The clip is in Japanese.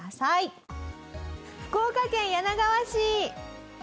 福岡県柳川市。